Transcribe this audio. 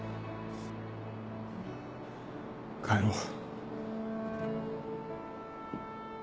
帰ろう。